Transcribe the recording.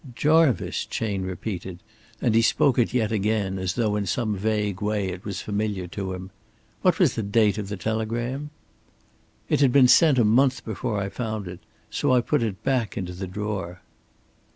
"Jarvice," Chayne repeated; and he spoke it yet again, as though in some vague way it was familiar to him. "What was the date of the telegram?" "It had been sent a month before I found it. So I put it back into the drawer."